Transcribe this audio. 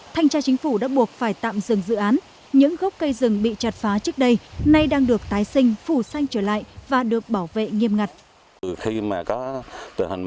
thanh tra chính phủ đã buộc phải tạm dừng dự án những gốc cây rừng bị chặt phá trước đây nay đang được tái sinh phủ xanh trở lại và được bảo vệ nghiêm ngặt